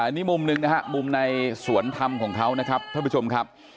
นี่มุมหนึ่งนะฮะมุมในสวนธรรมของเขานะครับท่านผู้ชมครับ